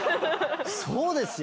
そうですよ。